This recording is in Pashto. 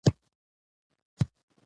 که ونه خاندې ډېر جالب یې .